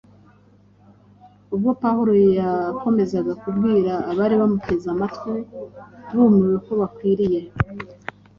Ubwo Pawulo yakomezaga kubwira abari bamuteze amatwi bumiwe ko bakwiriye